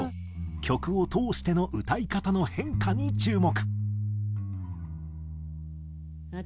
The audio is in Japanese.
曲を通しての歌い方の変化に注目。